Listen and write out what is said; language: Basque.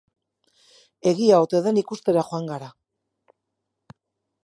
Egia ote den ikustera joan gara.